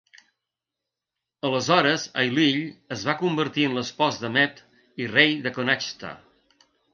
Aleshores, Ailill es va convertir en l'espòs de Medb i rei de Connachta.